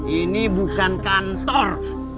ini bukan kantor